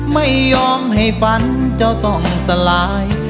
ไม่ยอมให้ฝันเจ้าต้องสลาย